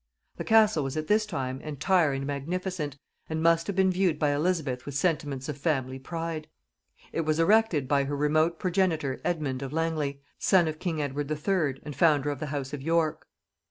The castle was at this time entire and magnificent, and must have been viewed by Elizabeth with sentiments of family pride. It was erected by her remote progenitor Edmund of Langley, son of king Edward III. and founder of the house of York.